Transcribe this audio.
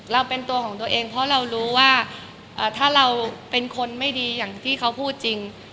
เราเป็นตัวของตัวเองเพราะเรารู้ว่าถ้าเราเป็นคนไม่ดีอย่างที่เขาพูดจริง